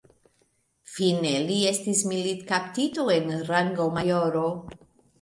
Fine li estis militkaptito en rango majoro.